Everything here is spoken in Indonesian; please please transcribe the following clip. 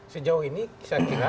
sejauh ini saya kira